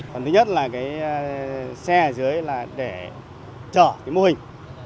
phần thứ nhất là xe ở dưới để chở mô hình